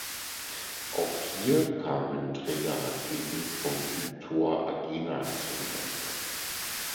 Auch hier kamen Trägerraketen vom Typ Thor Agena zum Einsatz.